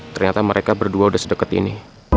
ternyata mereka berdua udah sedekat ini